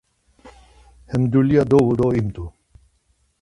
Hem dulya dovu do imt̆u.